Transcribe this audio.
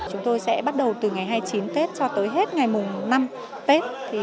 chúng tôi sẽ bắt đầu từ ngày hai mươi chín tết cho tới hết ngày mùng năm tết